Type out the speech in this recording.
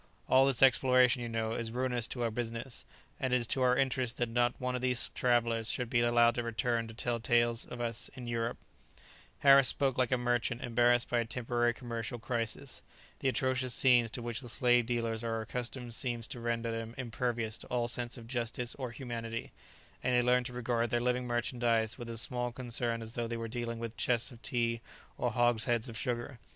All this exploration, you know, is ruinous to our business, and it is to our interest that not one of these travellers should be allowed to return to tell tales of us in Europe." [Footnote 1: Subordinate Portuguese governors at secondary stations.] Harris spoke like a merchant embarrassed by a temporary commercial crisis. The atrocious scenes to which the slave dealers are accustomed seems to render them impervious to all sense of justice or humanity, and they learn to regard their living merchandize with as small concern as though they were dealing with chests of tea or hogsheads of sugar.